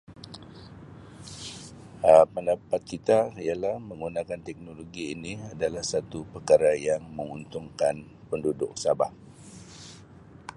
Um Pendapat kita ialah menggunakan teknologi ini adalah satu perkara yang menguntungkan penduduk Sabah.